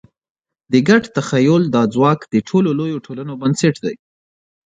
د ګډ تخیل دا ځواک د ټولو لویو ټولنو بنسټ دی.